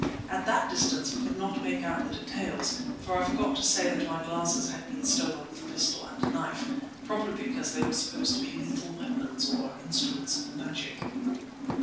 At that distance we could not make out the details, for I forgot to say that my glasses had been stolen with the pistol and knife, probably because they were supposed to be lethal weapons or instruments of magic.